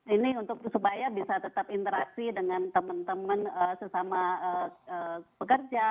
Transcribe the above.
ini untuk supaya bisa tetap interaksi dengan teman teman sesama pekerja